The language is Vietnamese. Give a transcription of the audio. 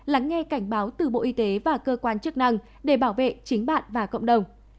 lắng nghe cảnh báo từ bộ y tế và cơ quan chức năng để bảo vệ chính bạn và cộng đồng